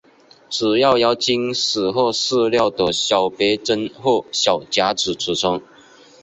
主要由金属或塑料的小别针或小夹子组成。